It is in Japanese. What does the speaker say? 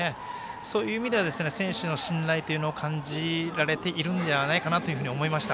そういう意味では選手への信頼を感じられているのではないかと思いました。